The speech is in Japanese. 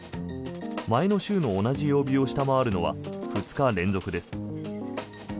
前の週の同じ曜日を下回るのは２日連続です。